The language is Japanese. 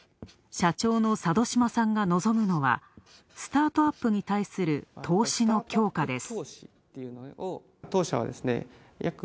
社長の佐渡島さんが望むのはスタートアップに対する投資の強化です。